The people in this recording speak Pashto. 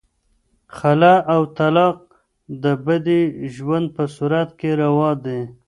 خلع او طلاق د بدې ژوند په صورت کې روا دي.